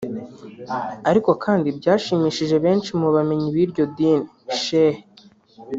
ariko kandi byashimishije benshi mu bamenyi b’iryo dini (Sheikh)